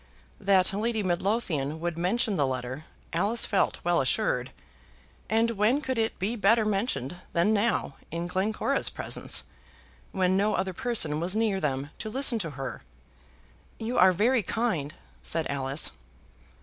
That Lady Midlothian would mention the letter, Alice felt well assured; and when could it be better mentioned than now, in Glencora's presence, when no other person was near them to listen to her? "You are very kind," said Alice.